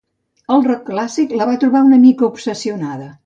El "rock clàssic" la va trobar una mica obsessionada.